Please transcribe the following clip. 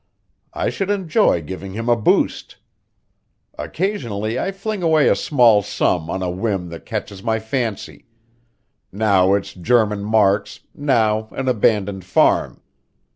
I should enjoy giving him a boost. Occasionally I fling away a small sum on a whim that catches my fancy; now its German marks, now an abandoned farm.